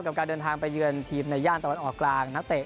กับการเดินทางไปเยือนทีมในย่านตะวันออกกลางนักเตะ